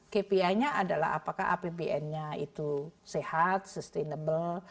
kpi nya adalah apakah apbn nya itu sehat sustainable